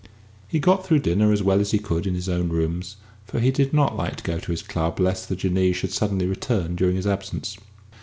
He got through dinner as well as he could in his own rooms, for he did not like to go to his club lest the Jinnee should suddenly return during his absence.